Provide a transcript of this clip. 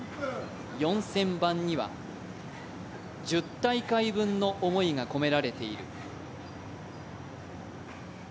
４０００番には１０大会分の思いが込められている。